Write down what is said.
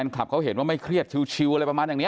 ขับเขาเห็นว่าไม่เครียดชิวอะไรประมาณอย่างนี้